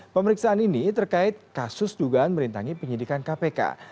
pemeriksaan ini terkait kasus dugaan merintangi penyidikan kpk